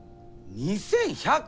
２１００？